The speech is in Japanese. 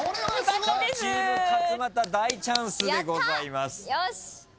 チーム勝俣大チャンスでございます。